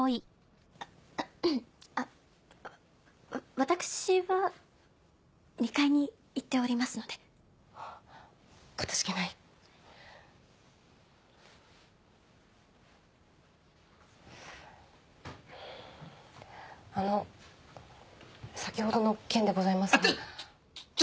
わ私は２階に行っておりますのでかたじけないあの先ほどの件でございますがちょ！